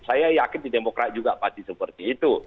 saya yakin di demokrat juga pasti seperti itu